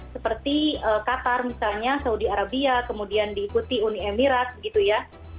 seperti qatar misalnya saudi arabia kemudian diikuti uni emirat gitu ya